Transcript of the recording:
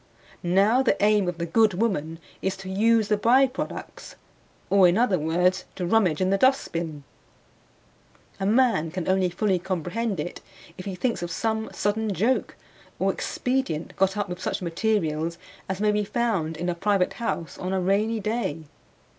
Now the aim of the good woman is to use the by products, or, in other words, to rummage in the dustbin. A man can only fully comprehend it if he thinks of some sudden joke or expedient got up with such materials as may be found in a private house on a rainy day.